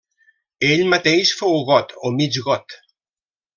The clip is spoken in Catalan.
Ell mateix fou got o mig got.